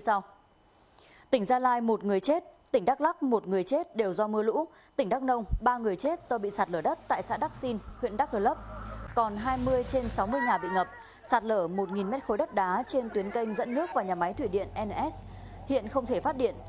sạt lở một m khối đất đá trên tuyến kênh dẫn nước và nhà máy thủy điện ns hiện không thể phát điện